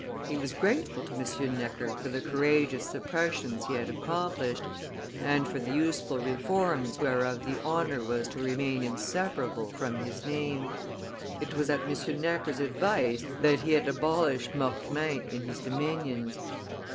He was grateful to M. Necker for the courageous suppressions he had accomplished, and for the useful reforms whereof the honor was to remain inseparable from his name; it was at M. Necker's advice that he had abolished mortmain in his dominions.